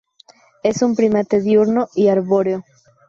Es un primate diurno y arbóreo.